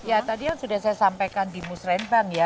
ya tadi yang sudah saya sampaikan di musrembang ya